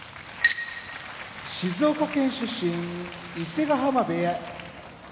静岡県出身伊勢ヶ浜部屋